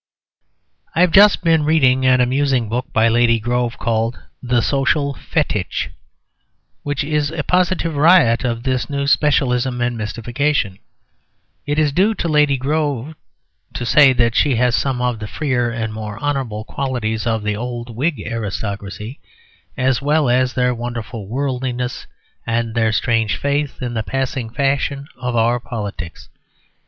I have just been reading an amusing book by Lady Grove called "The Social Fetich," which is a positive riot of this new specialism and mystification. It is due to Lady Grove to say that she has some of the freer and more honourable qualities of the old Whig aristocracy, as well as their wonderful worldliness and their strange faith in the passing fashion of our politics.